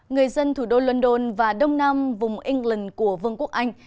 người dân thủ đô london và đông nam vùng england của vương quốc anh